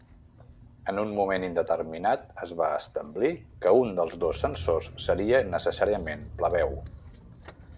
En un moment indeterminat es va establir que un dels dos censors seria necessàriament plebeu.